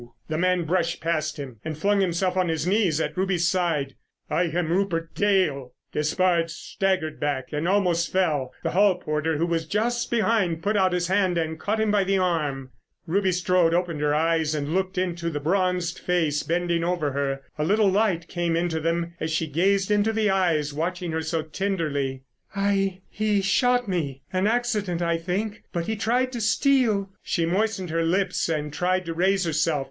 The man brushed past him and flung himself on his knees at Ruby's side. "I am Rupert Dale!" Despard staggered back and almost fell. The hall porter who was just behind put out his hand and caught him by the arm. Ruby Strode opened her eyes and looked into the bronzed face bending over her. A little light came into them as she gazed into the eyes watching her so tenderly. "I—he shot me—an accident, I think; but he tried to steal——" She moistened her lips and tried to raise herself.